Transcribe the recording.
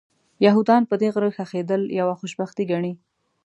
یهودان پر دې غره ښخېدل یوه خوشبختي ګڼي.